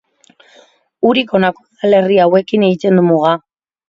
Urik honako udalerri hauekin egiten du muga.